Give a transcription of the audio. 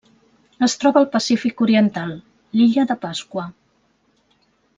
Es troba al Pacífic oriental: l'illa de Pasqua.